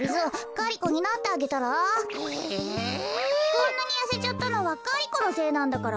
こんなにやせちゃったのはガリ子のせいなんだから。